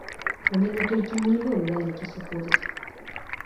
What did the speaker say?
У мяне толькі мільён на лекі сыходзіць.